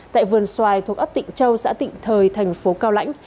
tại vườn xoài thuộc ấp tịnh châu xã tịnh thời thành phố cao lãnh